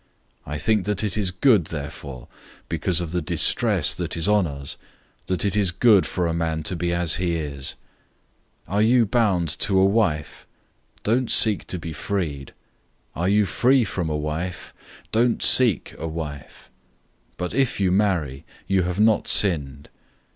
007:026 I think that it is good therefore, because of the distress that is on us, that it is good for a man to be as he is. 007:027 Are you bound to a wife? Don't seek to be freed. Are you free from a wife? Don't seek a wife. 007:028 But if you marry, you have not sinned.